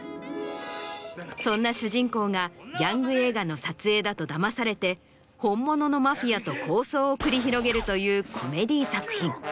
そんな主人公がギャング映画の撮影だとだまされて本物のマフィアと抗争を繰り広げるというコメディ作品。